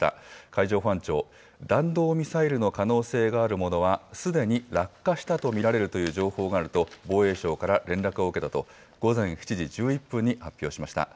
海上保安庁、弾道ミサイルの可能性があるものは、すでに落下したと見られるという情報があると防衛省から連絡を受けたと、午前７時１１分に発表しました。